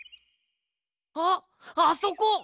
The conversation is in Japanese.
あっあそこ！